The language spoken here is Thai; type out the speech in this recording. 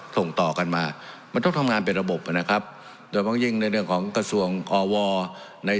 สวัสดีสวัสดีสวัสดีสวัสดีสวัสดีสวัสดี